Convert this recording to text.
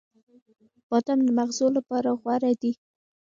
• بادام د مغزو لپاره غوره دی.